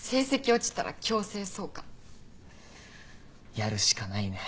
やるしかないね。